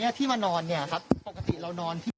เดี๋ยวพี่หัวปลาลองพูดคุยกับทางลูกศิษย์